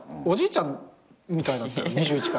おじいちゃんみたいだったよ。